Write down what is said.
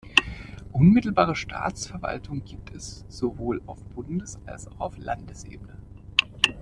Unmittelbare Staatsverwaltung gibt es sowohl auf Bundes- als auch auf Landesebene.